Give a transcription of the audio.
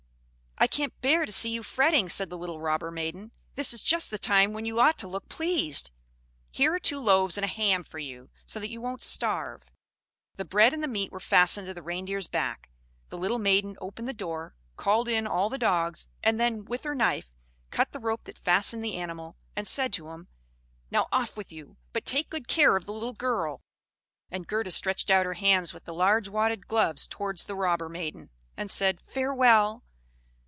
"I can't bear to see you fretting," said the little robber maiden. "This is just the time when you ought to look pleased. Here are two loaves and a ham for you, so that you won't starve." The bread and the meat were fastened to the Reindeer's back; the little maiden opened the door, called in all the dogs, and then with her knife cut the rope that fastened the animal, and said to him, "Now, off with you; but take good care of the little girl!" And Gerda stretched out her hands with the large wadded gloves towards the robber maiden, and said, "Farewell!"